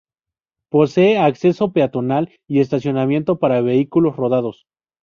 Posee acceso peatonal y estacionamiento para vehículos rodados.